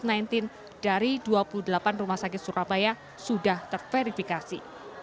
dan dari dua puluh delapan rumah sakit surabaya sudah terverifikasi